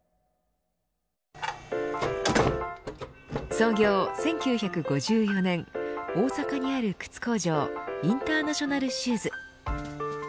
創業１９５４年大阪にある靴工場インターナショナルシューズ。